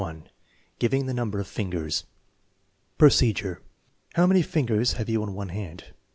Giving the number of fingers Procedure. How many fingers have you on one hand